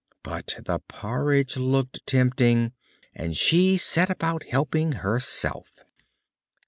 But the porridge looked tempting, and she set about helping herself.